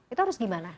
itu harus gimana